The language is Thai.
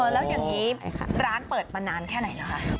แล้วอย่างนี้ร้านเปิดมานานแค่ไหนแล้วคะ